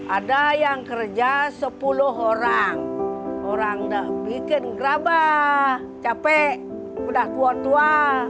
ada yang kerja sepuluh orang orang bikin gerabah capek udah tua tua